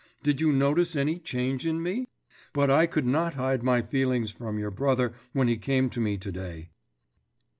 Did you notice any change in me? But I could not hide my feelings from your brother when he came to me to day.